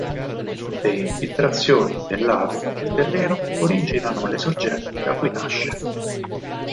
Le infiltrazioni del lago nel terreno originano le sorgenti da cui nasce.